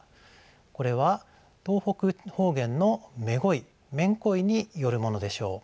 これは東北方言の「めごい」「めんこい」によるものでしょう。